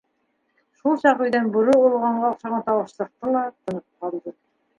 Шул саҡ өйҙән бүре олоғанға оҡшаған тауыш сыҡты ла тынып ҡалды.